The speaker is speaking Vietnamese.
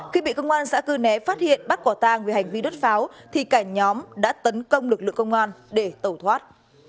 khi bị công an xã cư né phát hiện bắt quả tang về hành vi đốt pháo thì cả nhóm đã tấn công lực lượng công an để tẩu thoát